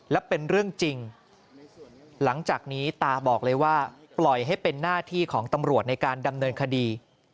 และเป็นเรื่องจริงหลังจากนี้ตาบอกเลยว่าปล่อยให้เป็นหน้าที่ของตำรวจในการดำเนินคดี